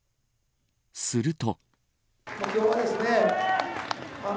すると。